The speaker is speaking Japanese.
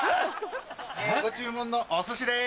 ご注文のお寿司です。